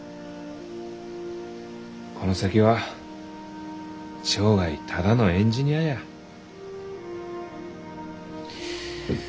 この先は生涯ただのエンジニアじゃ。